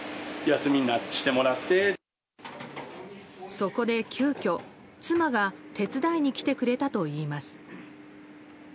そこで急きょ、妻が手伝いに来てくれたといいます。